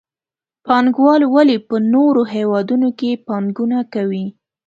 پانګوال ولې په نورو هېوادونو کې پانګونه کوي؟